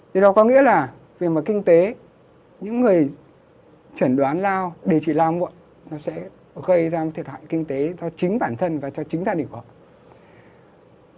điều đó có nghĩa là vì mà kinh tế những người chẩn đoán lao điều trị lao muộn nó sẽ gây ra một thiệt hại kinh tế cho chính bản thân và cho chính gia đình của họ